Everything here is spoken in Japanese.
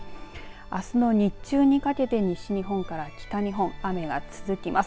あすの日中にかけて西日本から北日本雨が続きます。